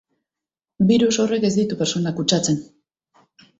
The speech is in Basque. Birus horrek ez ditu pertsonak kutsatzen.